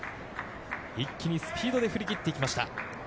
一気にスピードで振り切っていきました。